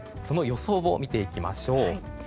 その予想を見ていきましょう。